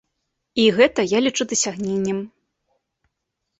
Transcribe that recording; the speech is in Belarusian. І гэта я лічу дасягненнем.